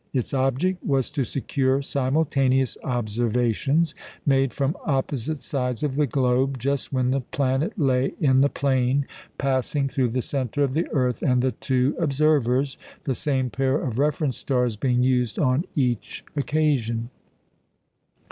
Its object was to secure simultaneous observations made from opposite sides of the globe just when the planet lay in the plane passing through the centre of the earth and the two observers, the same pair of reference stars being used on each occasion.